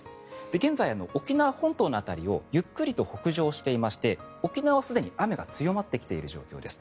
現在、沖縄本島の辺りをゆっくりと北上していまして沖縄はすでに雨が強まってきている状況です。